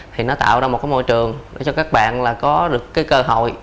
thì nó tạo ra một cái môi trường để cho các bạn là có được cái cơ hội